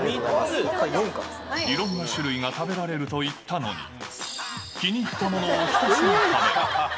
いろんな種類が食べられるといったのに、気に入ったものをひたすら食べる。